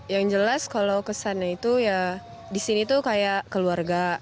yang jelas kalau kesannya itu ya di sini tuh kayak keluarga